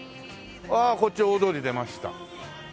あっこっち大通り出ました。